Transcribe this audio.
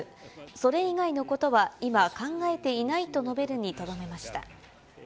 それ以外のことは今、考えていないと述べるにとどめました。